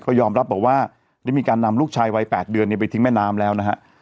ก็ยอมรับบอกว่าได้มีการนำลูกชายวัย๘เดือนไปทิ้งแม่น้ำแล้วนะฮะ